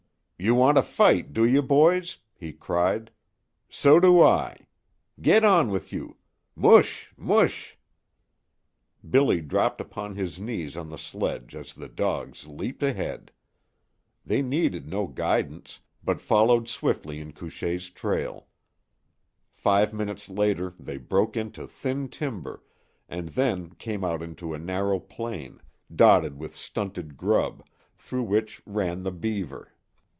"You want a fight, do you, boys?" he cried. "So do I. Get on with you! M'hoosh! M'hoosh!" Billy dropped upon his knees on the sledge as the dogs leaped ahead. They needed no guidance, but followed swiftly in Couchée's trail. Five minutes later they broke into thin timber, and then came out into a narrow plain, dotted with stunted scrub, through which ran the Beaver.